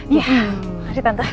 iya makasih tante